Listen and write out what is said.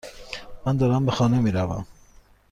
من دارم به خانه میروم.